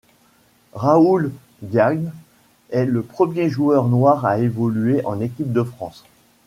Raoul Diagne est le premier joueur noir à évoluer en équipe de France.